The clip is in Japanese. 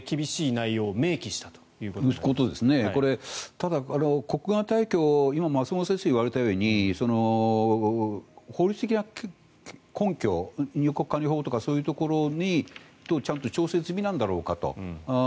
ただ、国外退去今、松本先生が言われたように法律的な根拠入国管理法とかそういうところとちゃんと調整済みなんだろうかと。